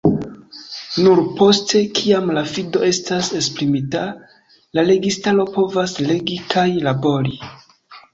Nur poste, kiam la fido estas esprimita, la registaro povas regi kaj labori.